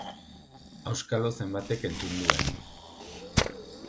Auskalo zenbatek entzun duen!